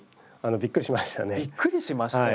びっくりしましたよ。